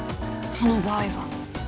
その場合は